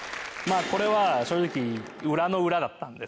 これは正直裏の裏だったんですよ。